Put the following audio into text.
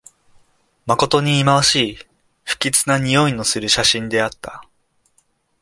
まことにいまわしい、不吉なにおいのする写真であった